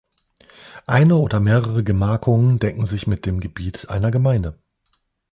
Eine oder mehrere Gemarkungen decken sich mit dem Gebiet einer Gemeinde.